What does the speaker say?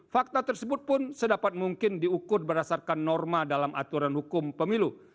fakta tersebut pun sedapat mungkin diukur berdasarkan norma dalam aturan hukum pemilu